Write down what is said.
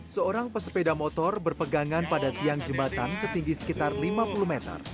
seorang pesepeda motor berpegangan pada tiang jembatan setinggi sekitar lima puluh meter